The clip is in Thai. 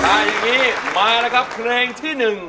ถ้าอย่างนี้มาแล้วครับเพลงที่๑